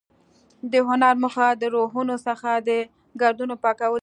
د هنر موخه د روحونو څخه د ګردونو پاکول دي.